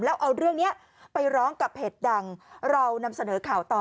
แล้วเอาเรื่องนี้ไปร้องกับเพจดังเรานำเสนอข่าวต่อ